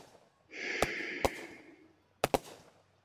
ahli televideniye qalbini xavotir bosdi.